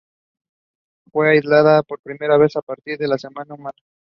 Fue aislada por primera vez a partir del semen humano.